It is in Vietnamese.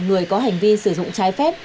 người có hành vi sử dụng trái phép